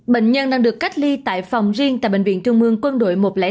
bệnh nhân đang được cách ly tại phòng riêng tại bệnh viện trung mương quân đội một trăm linh năm